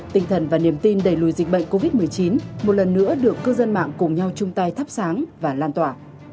tinh thần và niềm tin đẩy lùi dịch bệnh covid một mươi chín một lần nữa được cư dân mạng cùng nhau chung tay thắp sáng và lan tỏa